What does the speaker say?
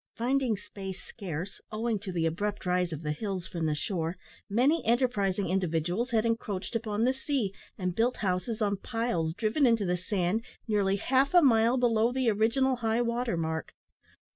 Finding space scarce, owing to the abrupt rise of the hills from the shore, many enterprising individuals had encroached upon the sea, and built houses on piles driven into the sand nearly half a mile below the original high water mark.